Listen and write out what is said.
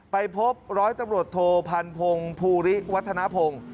ไปพบร้อยตำรวจโทพันพงศ์ภูริวัฒนภง